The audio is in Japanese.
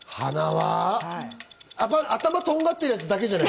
頭とんがっているヤツだけじゃない？